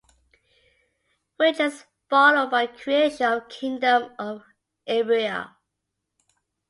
Which is followed by creation of kingdom of Iberia.